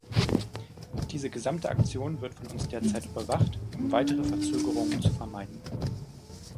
Diese gesamte Aktion wird von uns derzeit überwacht, um weitere Verzögerungen zu vermeiden.